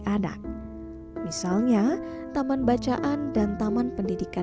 dada bingung dengan ksz dinamilkan sebagai